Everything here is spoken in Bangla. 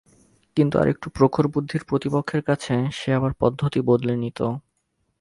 কিন্তু আর একটু প্রখর বুদ্ধির প্রতিপক্ষের কাছে সে আবার পদ্ধতি বদলে নিত।